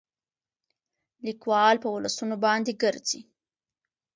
ليکوال په ولسونو باندې ګرځي